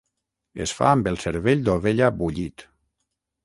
Es fa amb el cervell d'ovella bullit.